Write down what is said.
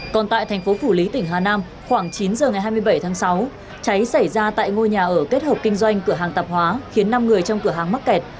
còn tại thành phố phủ lý tỉnh hà nam khoảng chín giờ ngày hai mươi bảy tháng sáu cháy xảy ra tại ngôi nhà ở kết hợp kinh doanh cửa hàng tạp hóa khiến năm người trong cửa hàng mắc kẹt